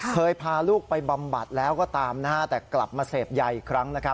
พาลูกไปบำบัดแล้วก็ตามแต่กลับมาเสพยาอีกครั้ง